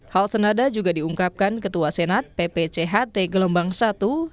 hal senada juga diungkapkan ketua senat ppct gelombang satu